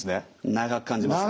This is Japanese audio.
長く感じますね。